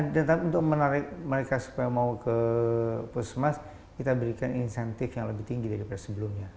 dan untuk menarik mereka supaya mau ke puskesmas kita berikan insentif yang lebih tinggi daripada sebelumnya